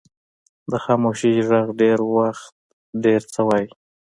د خاموشۍ ږغ ډېر وخت ډیر څه وایي.